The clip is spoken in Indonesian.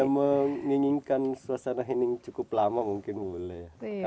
menginginkan suasana hening cukup lama mungkin boleh